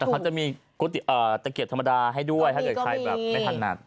แต่เขาจะมีตะเกียบธรรมดาให้ด้วยถ้าเกิดใครแบบไม่ถนัด